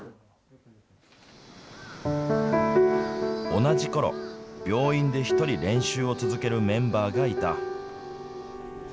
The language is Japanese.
同じころ、病院で１人、練習を続けるメンバーがいた。